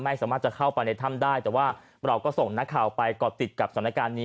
ไม่สามารถจะเข้าไปในถ้ำได้แต่ว่าเราก็ส่งนักข่าวไปก่อติดกับสถานการณ์นี้